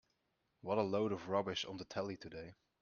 What a load of rubbish on the telly today.